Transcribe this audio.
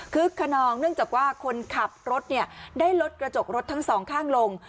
คนนองเนื่องจากว่าคนขับรถได้ลดกระจกรถทั้งสองข้างลง